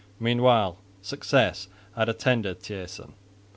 Meanwhile success had attended Thijssen.